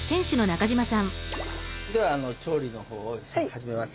では調理の方を始めます。